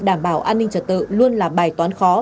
đảm bảo an ninh trật tự luôn là bài toán khó